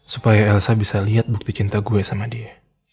supaya elsa bisa lihat bukti cinta gue sama dia